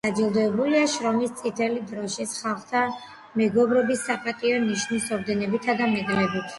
დაჯილდოებულია შრომის წითელი დროშის, ხალხთა მეგობრობის და საპატიო ნიშნის ორდენებითა და მედლებით.